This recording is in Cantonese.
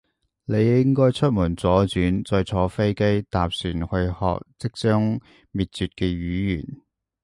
你應該出門轉左，再坐飛機，搭船去學即將滅絕嘅語言